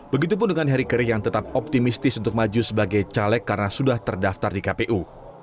begitupun dengan heri keri yang tetap optimistis untuk maju sebagai caleg karena sudah terdaftar di kpu